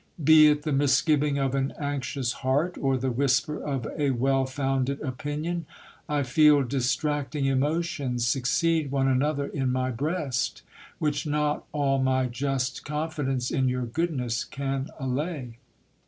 Be it the misgiving of an anxious heart, or the whisper of a well founded opinion, I feel distracting emotions succeed one another in my breast, which not all my just confidence in your goodness can allay.